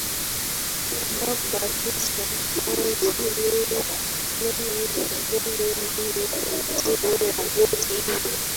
ambapo Afisa waji Maji wa Bonde ndiye Katibu wa Bodi hiyo